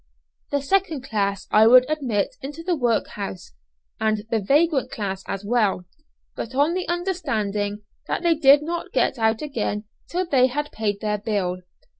The second class I would admit into the workhouse, and the vagrant class as well, but on the understanding that they did not get out again till they had paid their bill.